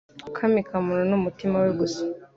akami kamuntu n'umutima we gusa